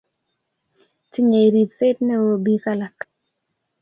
Tinyei ribset neoo biik alak.